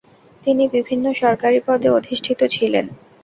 তিনি বিভিন্ন সরকারি পদে অধিষ্ঠিত ছিলেন।